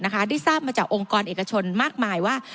ได้ทราบมาจากองค์กรเอกชนมากมายว่า